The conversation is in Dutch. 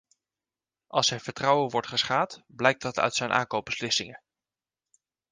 Als zijn vertrouwen wordt geschaad, blijkt dat uit zijn aankoopbeslissingen.